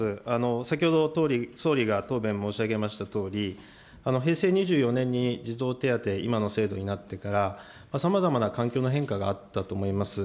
先ほど、総理が答弁申し上げましたとおり、平成２４年に児童手当、今の制度になってから、さまざまな環境の変化があったと思います。